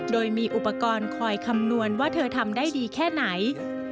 โดยมีอุปกรณ์คอยคำนวณว่าเธอทำได้ดีแค่ไหน